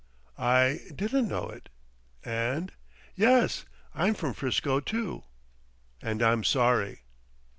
"I didn't know it, and " "Yes; I'm from Frisco, too." "And I'm sorry."